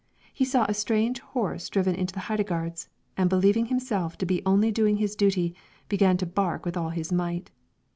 He saw a strange horse drive in to the Heidegards, and believing himself to be only doing his duty, began to bark with all his might.